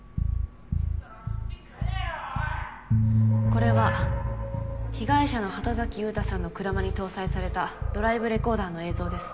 これは被害者の鳩崎優太さんの車に搭載されたドライブレコーダーの映像です。